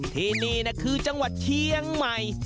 ที่นี่คือจังหวัดเชียงใหม่